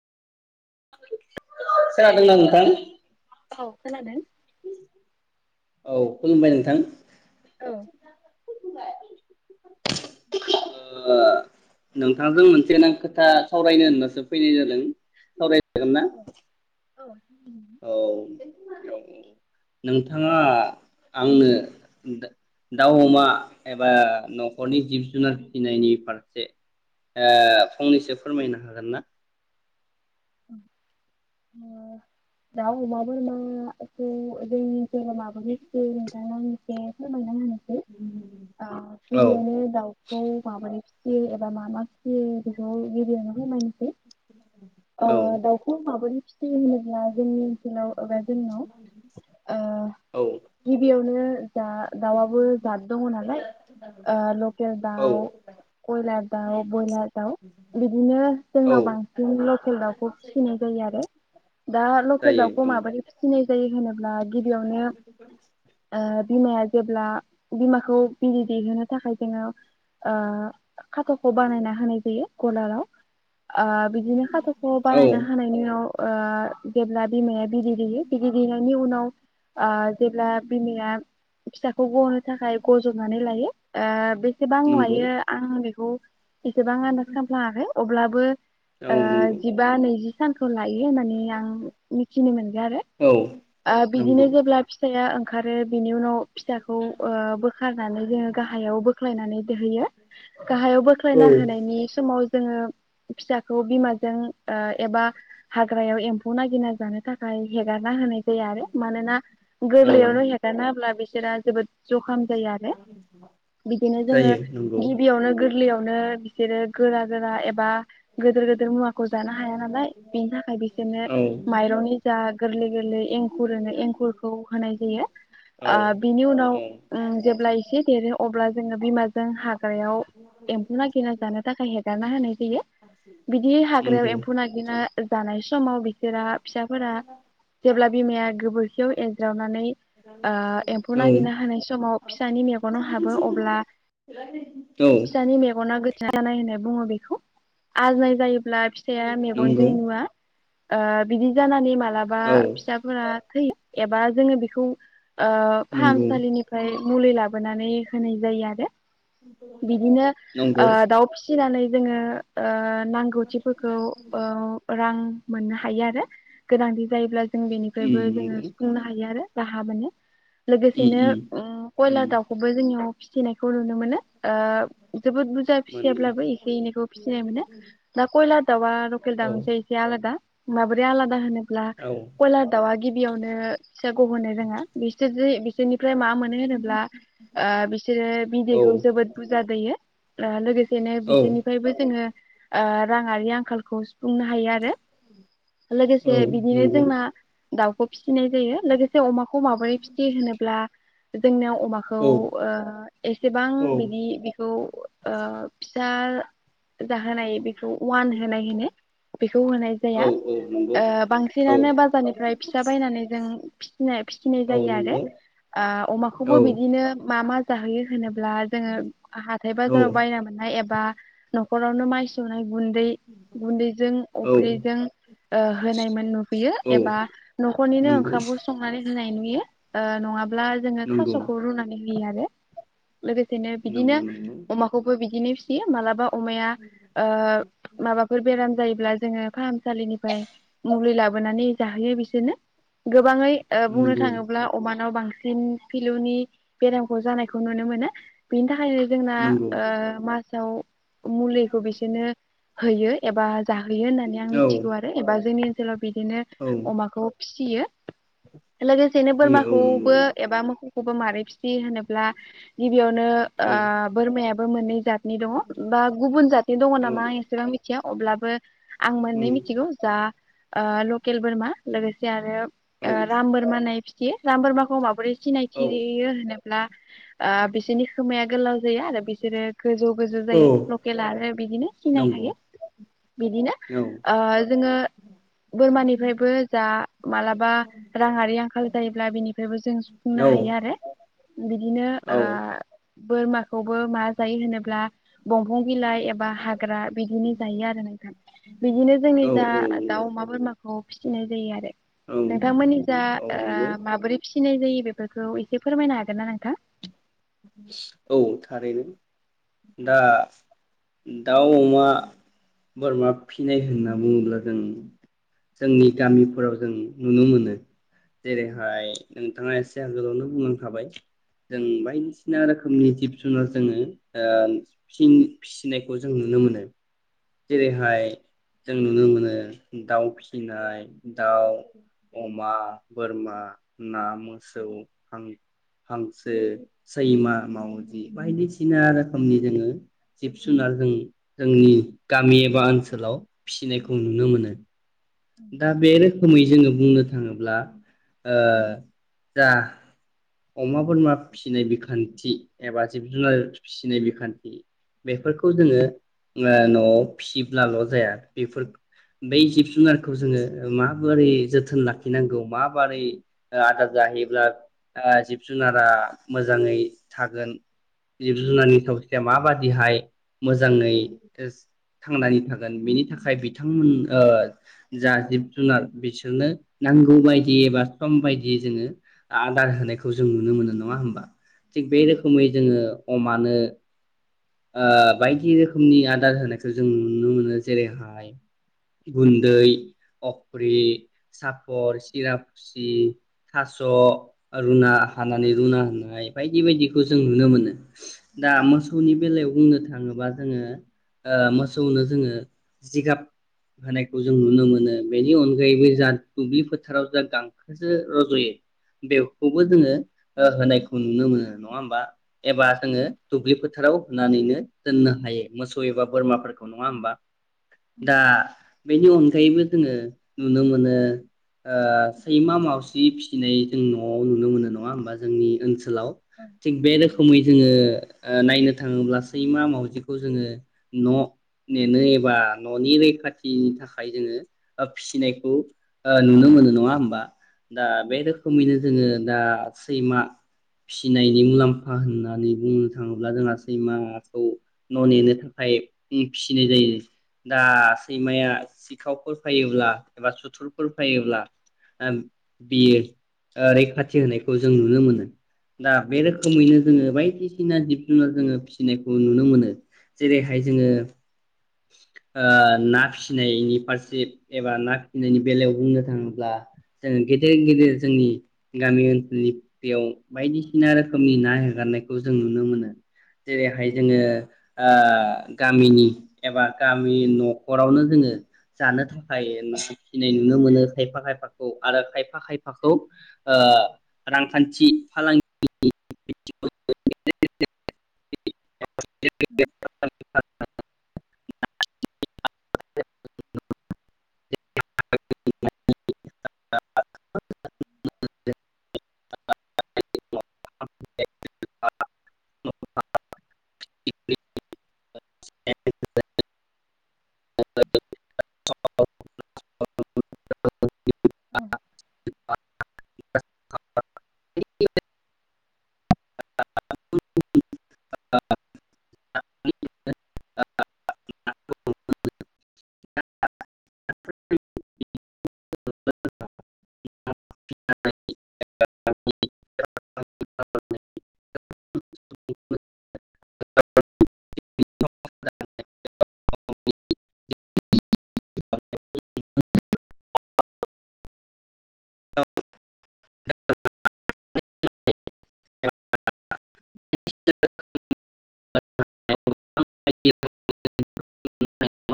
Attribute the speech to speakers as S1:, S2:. S1: खोनादों ना नोंथां?
S2: औ खोनादों
S1: औ खुलुमबाय नोंथां।
S2: औ।
S1: [unintelligible] ओ नोंथांजों मोनसे नां खोथा सावरायनो होननासो फैनाय जादों सावराय जागोन ना?
S2: औ
S1: औ औ नोंथाङा आंनो दाव अमा एबा न'खरनि जिब जुनार फिसिनायनि फारसे फंनैसो फोरमायनो हागोन ना?
S2: ओ दाव, अमा बोरमाखौ जोंनि ओनसोलाव माबोरै फिसियो नोंथाङा एसे फोरमायना होनो ओ
S1: औ
S2: किरियानो दावखौ माबोरै एबा मा मा फिसियो बेखौ गिबियावनो फोरमायनोसै। आ
S1: औ
S2: दावखौ माबोरै होनोब्ला जोंनि ओनसोलाव एबा ओ जोंनाव
S1: औ
S2: गिबियावनो। जा दाउआबो जाद दङ नालाय ओ लकेल
S1: औ
S2: दाउ, कयलार दाउ, बयलार दाउ बिदिनो
S1: औ
S2: जोंनाव बांसिन लकेल दाउखौ फिसिनाय जायो आरो। दा लकेल
S1: जायो
S2: दावउखौ
S1: औ
S2: माबोरै फिसिनाय जायो होनोब्ला गिबियावनो ओ बिमाया जेब्ला बिमाखौ बिरि दैहोनो थाखाय जोङो ओ खाथ'खौ बानायना होनाय जायो गलाराव ओ बिदिनो खाथ'खौ
S1: औ
S2: बानायनो हानायनि उनाव ओ जेब्ला बिमाया बिदिरहयो बिदिरह हैनायनि उनाव ओ जेब्ला बिमाया फिसाखौ गनो थाखाय गज'नानै लायो ओ बेसेबां
S1: नंगौ
S2: लायो आं बेखौ इसेबां आन्दाज खालामफ्लाङाखै अब्लाबो
S1: औ नंगौ
S2: जिबा नैजि सानखौ लायो होननानै आं मोनथिनो मोन्दों आरो
S1: औ नंगौ
S2: बिदिनो जेब्ला फिसाया ओंखारो बिनि उनाव फिसाखौ ओ बोखारनानै जोङो गाहायाव बोख्लायनानै दहोयो गाहायाव
S1: औ
S2: बोख्लायना होनायनि समाव जोङो फिसाखौ बिमाजों ओ एबा हाग्रायाव एम्फौ नागिरना जानो थाखाय हेगारना होनाय जाया आरो मानोना
S1: औ
S2: गोरलैयावनो हेगाना होब्ला बिसि [unintelligible] जोबोद जखाम जायो आरो बिदिनो जोङो
S1: जायो नंगौ
S2: गिबियावनो गोरलैयावनो [unintelligible] गोरा गोरा एबा गोदोर गोदोर मुवाखौ जानो हाया नालाय बिनि थाखाय बिसोरनो
S1: औ
S2: माइरंनि जा गोरलै गोरलै एंखुर होनो एंखुरखौ होनाय जायो
S1: औ
S2: ओ बिनि उनाव
S1: औ
S2: ओ जेब्ला एसे देरो अब्ला जोङो बिमाजों हा ग्रायाव एम्फौ नागिना जानो थाखाय हेगारना होनाय जायो बिदि हाग्रायाव
S1: नंगौ
S2: एम्फौ नागिरना जानाय समाव बिसोरा फिसाफोरा जेब्ला बिमाया गोबोरखियाव नानै ओ एम्फौ
S1: औ
S2: नागिरना होनाय समाव फिसानि मेगनाव हाबो अब्ला
S1: औ
S2: फिसानि मेगना गो [unintelligible] होननाय बुङो बेखौ आजनाय जायो ब्ला फिसाया मेगन जों
S1: नंगौ
S2: नुवा ओ बिदि जानानै मा माब्लाबा
S1: औ
S2: फिसाफोरा थैयो एबा जोङो बेखौ ओ
S1: नंगौ
S2: फाहामसालिनिफ्राय मुलि लाबोनानै होनाय जायो आरो बिदिनो
S1: नंगौ
S2: ओ दाउ फि फिनानै जोङो ओ नांगौथिफोरखौ रां मोननो हायो आरो गोनांथि जायोब्ला जों बेनिफ्रायबो
S1: उम नंगौ
S2: जोङो सुफुंनो हायो आरो [unintelligible]
S1: उम
S2: लोगोसेनो
S1: उम
S2: ओ खयलार
S1: उम
S2: दाउखौबो जोंनियाव फिसिनायखौ नुनो मोनो ओ जोबोद बुरजा
S1: मोनो
S2: फिसियाब्लाबो एसे इनैखौ फिसिनाय मोनो दा खयलार दाउआ [unintelligible]
S1: औ
S2: [unintelligible] माबोरै आलादा होनो ब्ला
S1: औ
S2: खयलार दाउआ गिबि गिबियावनो फिसा गहोनो रोङा बिसोर जे बिसोरनिफ्राय मा मोनो होनोब्ला ओ बिसोरो
S1: औ
S2: बिदैखौ जोबोद बुरजा दैयो ओ लोगोसे बिदिनो
S1: औ
S2: बिसोरनिफ्रायबो जोङो ओ राङारि आंखालखौ बुंनो हायो आरो
S1: औ
S2: लोगोसे बिदिनो
S1: नंगौ
S2: जोंना दाउखौ फिसिनाय जायो लोगो से अमाखौ माबोरै फिसियो होनोब्ला जोंनियाव अमाखौ
S1: औ
S2: एसेबां
S1: औ
S2: बिदि बेखौ ओ फिसा जाहोनाय बेखौ अवान होनाय होनो बेखौ होनाय जाया
S1: औ औ नंगौ
S2: ओ
S1: औ
S2: बांसिनानो बाजारनिफ्राय फिसा बायनानै जों [unintelligible] फिनाय फिसिनाय
S1: औ
S2: जायो आरो
S1: नंगौ औ
S2: अमाखौबो बिदिनो मा मा जाहोयो ब्ला जोङो हाथाय बाजाराव
S1: औ
S2: बायना मोननाय एबा नखरावनो माइ सौनाय गुन्दै गुन्दै जों अफ्रिजों होनायमोन नुहैयो
S1: औ
S2: एबा नखरनिनो
S1: नंगौ
S2: ओंखामखौ संनानै नाय नुयो ओ नङाबा ब्ला जोङो
S1: नंगौ
S2: थासखौ रुनानै होयो आरो लोगोसेनो
S1: नंगौ
S2: बिदिनो अमाखौबो बिदिनो मालाबा अमाया ओ माबाफोर बेराम ब्ला जोङो फाहामसालिनिफ्राय मुलि लाबोनानै जाहोयो बिसोरनो गोबाङै बुंनो
S1: नंगौ नंगौ
S2: थाङोब्ला अमानाव बांसिन फिलौनि बेरामखौ जानायखौ नुनो मोनो बिनि थाखायनो जोंना
S1: नंगौ
S2: ओ मासाव मुलिखौ बिसोरनो होयो एबा जाहैयो होननानै आं
S1: औ
S2: मिथिगौ आरो एबा जोंनि सोलाव बि दिनो
S1: औ
S2: अमाखौ फि सियो लोगोसेनो
S1: ए औ नंगौ
S2: बोरमाखौबो एबा मोखौ खौबो मारै फिसियो होनोब्ला गि बियावनो
S1: औ
S2: बोरमायाबो मोननै जातनि दङ बा गुबुन जातनि दङ
S1: औ
S2: नामा आं एसेबां मिथिया। अब्लाबो आं मोननै
S1: उम
S2: मिथिगौ जा ओ लकेल बोरमा लोगोसे आरो
S1: औ
S2: ओ राम बोरमा होननाय फि खि राम बोरमाखौ माबोरै
S1: औ
S2: सिनायथियो होनो ब्ला ओ बिसिनि खोमाया गोलाव जायो आरो बिसोरो गोजौ गोजौ
S1: औ
S2: जायो लकेल आरो बिदिनो
S1: नंगौ
S2: सिनायखायो। बिदिनो
S1: औ
S2: ओ जोङो बोरमानिफ्रायबो जा मालाबा राङारि आंखाल जायोब्ला बिनिफ्रायबो जों
S1: औ
S2: सुफुंनो हायो आरो। बिदिनो ओ
S1: औ
S2: बोरमाखौबो मा जायो होनोब्ला दंफां बिलाइ एबा हा ग्रा बिदिनो जायो आरो नों बिदिनो जोंनि
S1: औ
S2: जा दाउ, अमा, बोरमा न आव फिसिनाय जायो आरो।
S1: औ
S2: नोंथांमोननि जा
S1: औ नंगौ
S2: ओ माबोरै फि सिनाय जायो बेफोरखौ एसे फोरमायनो हागोन ना नोंथां।
S1: औ थारैनो दा दाउ अमा बोरमा फिनाय होनना बुङोब्ला जों जोंनि गामिफोराव जों नुनो मोनो जेरैहाय नोंथाङा एस से आगोलावनो बुंनालां खाबाय जों बायदि सि सिना रोखोमनि जिब जुनार जोङो ओ फि फिसिनायखौ जों नुनो मोनो जेरैहाय जों नुनो मोनो दाउ फिसिनाय, दाउ, अमा, बोरमा, ना, मोसौ, हां-हांसो, सैमा, मावजि बायदिसिना रोखोमनि जोङो जिब जुनार जों जोंनि गामि एबा ओनसोलाव फिसिनायखौ जों नुनो मोनो। दा बे रोखोमै जोङो बुंनो थाङोब्ला ओ जा अमा बोरमा फिसिनाय बिखान्थि एबा जिब जुनार फिसिनाय बिखान्थि बेफोरखौ जोङो ओ न'आव फिसिब्लाल' जाया बेफोर बै जिब जुनारखौ जोङो माबोरै जोथोन लाखिनांगौ माबोरै ओ आदार जाहैब्ला ओ जिब जुनारा मोजाङै थागोन जिब जुनारनि सावस्रिया माबादिहाय मोजाङै थांनानै थागोन बेनि थाखाय बिथांमोन ओ जा जिब जुनार बिसोरनो नांगौ बायदियै बा सम बायदियै जोङो आदार होन नाय जों नुनो मोन नङा होनबा थिग बे
S2: औ
S1: रोखोमै जोङो अमानो ओ बायदि रोखोमनि आदार होनायखौ जों नुनो मोनो जेरैहाय गुन्दै अफ्रि सापर सिरा खुसि थास' रुना हानानै रुना होनाय बायदि बायदिखौ जों नुनो मोनो दा मोसौनि बुंनो थाङोबा जोङो ओ मोसौनो जोङो जिगाब होनायखौ जों नुनो मोनो बेनि अनगा गायैबो
S2: औ
S1: जा दुब्लि फोथाराव जा गांखोसो रज'यो बेखौबो जोङो ओ होनाय नुनो मोनो नङा होमबा एबा
S2: औ
S1: जोङो दुब्लि फोथाराव होननानैनो दोननो हायो मोसौ एबा बोरमाफोरखौ नङा होमबा दा बेनि अनगायैबो जोङो नुनो मोनो ओ सैमा मावजि फिसिनाय जों न'आव नुनो मोनो नङा होमबा जोंनि ओनसोल ओनसोलाव थिग बे
S2: औ
S1: रोखोमै जोङो ओ नायनो थाङोब्ला सैमा मावजिखौ जोङो न' नेनो एबा न'नि रैखाथिनि थाखाय जोङो ओ फिसिनायखौ ओ नुनो मोनो नङा होमबा दा बे रोखोमैनो जोङो दा सैमा फिसिनायनि मुलाम्फा होननानै बुंनो थाङोब्ला जोंहा सैमाखौ न' नेनो थाखाय फिसिनाय जायो दा सैमाया सिखावफोर फैयोब्ला एबा सुथुरफोर फैयोब्ला ओ बियो ओ रैखाथि होनायखौ जों नुनो मोनो दा बे रोखोमैनो जोङो बायदिसिना सिना जिब जुनार जोङो फिसिनायखौ नुनो मोनो जेरैहाय जोङो ओ ना फिसिनायनि फारसे एबा ना फिसिनायनि बेलायाव बुंनो थाङोब्ला जोङो गेदेर गेदेर जोंनि गामि ओनसोलनि बेयाव बायदिसिना रोखोमनि ना हगारनायखौ जों नुनो मोनो जेरैहाय जोङो ओ गामिनि एबा गामि न'खरावनो जोङो जानो थाखाय थिनाय नुनो मोनो खायफा खायफाखौ आरो खायफा खायफाखौ ओ रांखान्थि फालांगि [unintelligible]
S2: औ
S1: [unintelligible] [unintelligible] [unintelligible] [unintelligible] [unintelligible]
S2: औ
S1: [unintelligible] [unintelligible] [unintelligible] [unintelligible] [unintelligible] [unintelligible] [unintelligible] [unintelligible]